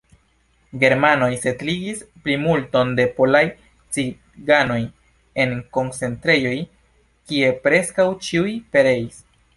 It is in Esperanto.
Germanoj setligis plimulton de polaj ciganoj en koncentrejoj, kie preskaŭ ĉiuj pereis.